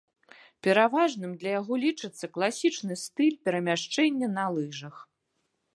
Пераважным для яго лічыцца класічны стыль перамяшчэння на лыжах.